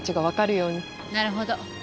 なるほど。